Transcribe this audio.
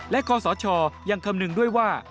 และคอสชยังคำนึงด้วยว่า